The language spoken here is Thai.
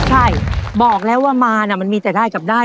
ใช่บอกแล้วว่ามาน่ะมันมีแต่ได้กับได้